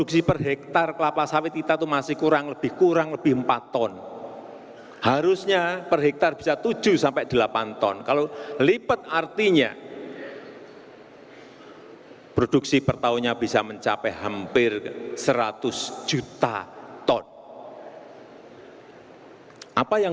saya tidak ingin berpanjang lebar intinya